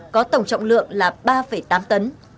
có tổng trọng lượng là ba tám tấn